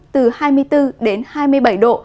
từ hai mươi bốn đến hai mươi bảy độ